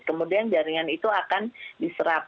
kemudian jaringan itu akan diserap